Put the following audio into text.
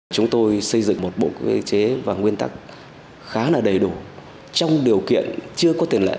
chúng tôi xây dựng một bộ quy chế và nguyên tắc khá là đầy đủ trong điều kiện chưa có tiền lệ